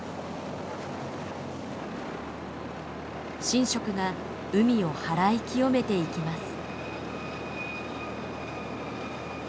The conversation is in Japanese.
神職が海を祓い清めていきます。